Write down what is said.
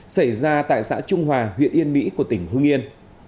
xảy ra tại xã trung hòa huyện yên mỹ của tỉnh hương yên